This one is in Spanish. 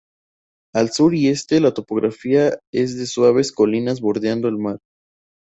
Al sur y este la topografía es de suaves colinas bordeando el mar.